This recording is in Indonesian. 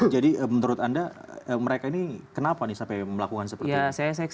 jadi menurut anda mereka ini kenapa sampai melakukan seperti ini